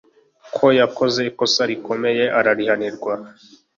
ko yakoze ikosa rikomeye ararihanirwa